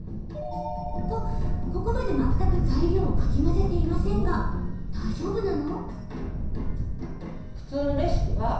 と、ここまで全く材料をかき混ぜていませんが大丈夫なの？